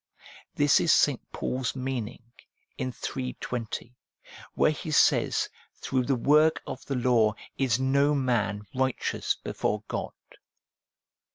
This is St. Paul's meaning in iii. 20, where he says, ' Through the work of the law is no man righteous before God.'